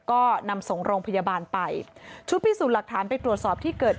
ก็นำส่งโรงพยาบาลไปชุดพิสูจน์หลักฐานไปตรวจสอบที่เกิด